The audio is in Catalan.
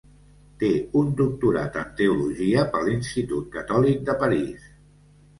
Té un doctorat en teologia per l'Institut Catòlic de París.